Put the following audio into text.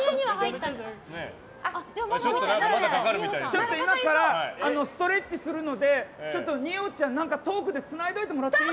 ちょっと今からストレッチするので二葉ちゃん、何かトークでつないどいてもらっていい？